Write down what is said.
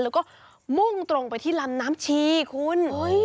แล้วก็มุ่งตรงไปที่ลำน้ำชีคุณ